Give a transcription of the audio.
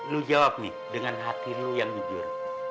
lo jawab nih dengan hati lo yang jujur